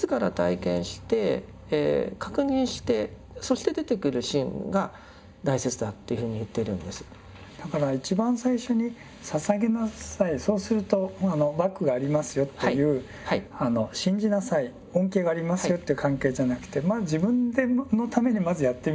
それに対してだから一番最初に捧げなさいそうするとバックがありますよという信じなさい恩恵がありますよという関係じゃなくて自分のためにまずやってみなさい。